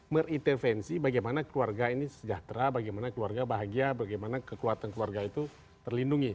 mengintervensi bagaimana keluarga ini sejahtera bagaimana keluarga bahagia bagaimana kekuatan keluarga itu terlindungi